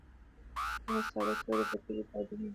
دغې ساده تورې بتکې ته عادي مه ګوره